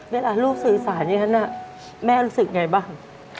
เวลาลูกศีรษะอย่างนั้นนะแม่รู้สึกยังไงบ้าง